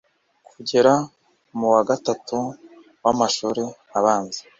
kugera mu wa gatatu w'amashuri abanza,